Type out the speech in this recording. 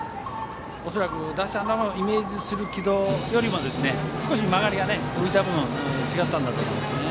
恐らく打者がイメージする軌道よりも少し浮いた分曲がりが違ったんだと思います。